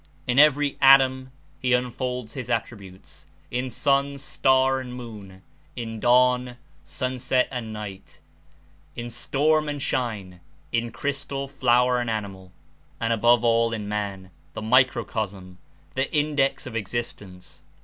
In every atom he unfolds his attributes — in sun, star and moon — in dawn, sunset and night — in storm and shine — in crystal, flower and animal — and above all in man, the microcosm, the index of existence.